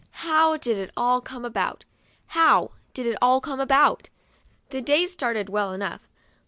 How did it all come about ? How did it all come about? The day started well enough.